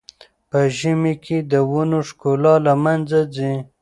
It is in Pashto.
په ژمي کې د ونو ښکلا له منځه ځي.